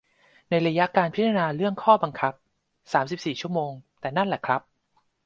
ในระยะการพิจารณาเรื่องข้อบังคับ สามสิบสี่ ชั่วโมง แต่นั้นแหละครับ